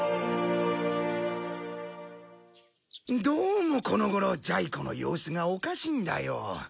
どうもこの頃ジャイ子の様子がおかしいんだよ。